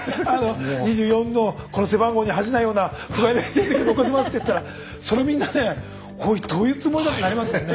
「２４のこの背番号に恥じないようなふがいない成績残します」って言ったらそれはみんなね「おいどういうつもりだ」ってなりますもんね。